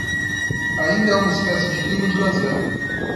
Ainda há uma espécie de clima de lazer